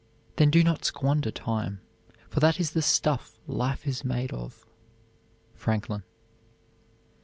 Then do not squander time, for that is the stuff life is made of. FRANKLIN.